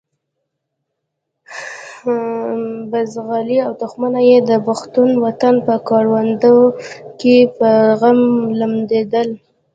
بزغلي او تخمونه یې د پښتون وطن په کروندو کې په غم لمدېدل.